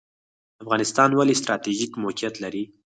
افغانستان ولې ستراتیژیک موقعیت لري؟